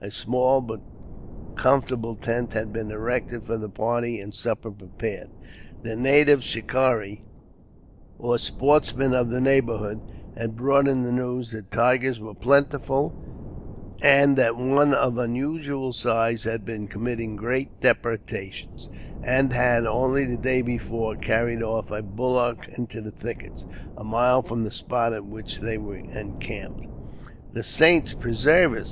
A small but comfortable tent had been erected for the party, and supper prepared. The native shikari, or sportsman of the neighbourhood, had brought in the news that tigers were plentiful; and that one of unusual size had been committing great depredations; and had, only the day before, carried off a bullock into the thickets, a mile from the spot at which they were encamped. "The saints preserve us!"